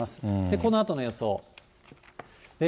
このあとの予想。